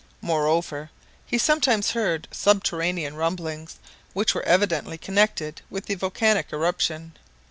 Moreover, he sometimes heard subterranean rumblings, which were evidently connected with the volcanic eruption.